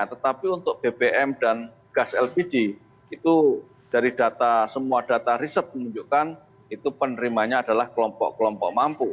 tetapi untuk bbm dan gas lpg itu dari data semua data riset menunjukkan itu penerimanya adalah kelompok kelompok mampu